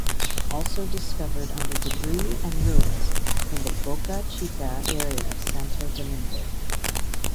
Also discovered under debris and ruins in the Boca Chica area of Santo Domingo.